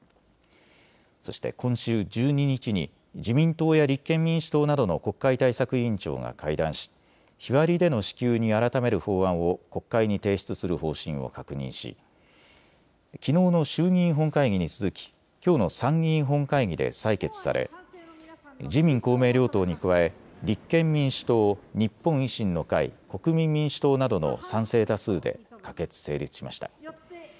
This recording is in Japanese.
そして今週１２日に自民党や立憲民主党などの国会対策委員長が会談し日割りでの支給に改める法案を国会に提出する方針を確認しきのうの衆議院本会議に続ききょうの参議院本会議で採決され自民公明両党に加え立憲民主党、日本維新の会、国民民主党などの賛成多数で可決・成立しました。